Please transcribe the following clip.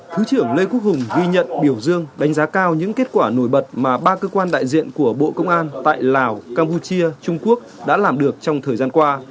thứ trưởng lê quốc hùng ghi nhận biểu dương đánh giá cao những kết quả nổi bật mà ba cơ quan đại diện của bộ công an tại lào campuchia trung quốc đã làm được trong thời gian qua